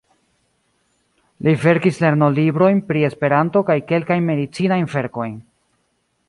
Li verkis lernolibrojn pri Esperanto kaj kelkajn medicinajn verkojn.